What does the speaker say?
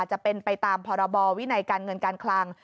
จะเป็นไปตามพรบวินัยการเงินการคลัง